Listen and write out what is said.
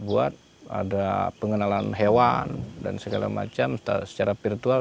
buat ada pengenalan hewan dan segala macam secara virtual